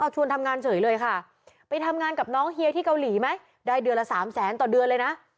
ชวนทำงานเฉยเลยค่ะไปทำงานกับน้องเฮียที่เกาหลีไหมได้เดือนละสามแสนต่อเดือนเลยนะ